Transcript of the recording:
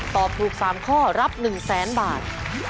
ตอบถูก๓ข้อรับ๑๐๐๐๐๐บาท